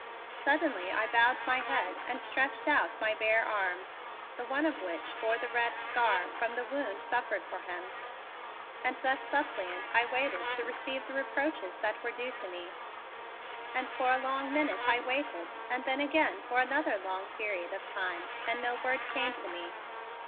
Suddenly I bowed my head and stretched out my bare arms, the one of which bore the red scar from the wound suffered for him, and thus suppliant I waited to receive the reproaches that were due to me. And for a long minute I waited and then again for another long period of time and no word came to me.